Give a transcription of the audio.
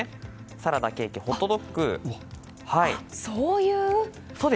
サラダ、ケーキホットドッグで？